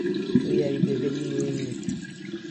تۆ یاریدەدەری نوێی منیت.